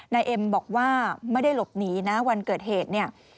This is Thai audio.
นายเอ็มบอกว่าไม่ได้หลบหนีนะวันเกิดเหตุเนี่ย